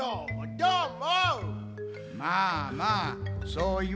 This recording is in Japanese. どーも。